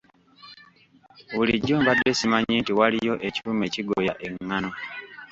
Bulijjo mbadde simanyi nti waliyo ekyuma ekigoya engano.